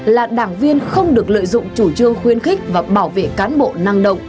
là đảng viên không được lợi dụng chủ trương khuyên khích và bảo vệ cán bộ năng động